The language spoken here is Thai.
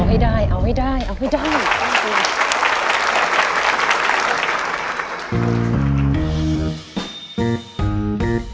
ให้ได้เอาให้ได้เอาให้ได้